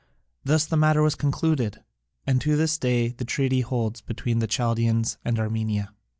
Thus the matter was concluded, and to this day the treaty holds between the Chaldaeans and Armenia.